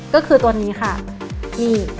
ก็คือตัวนี้ค่ะนี่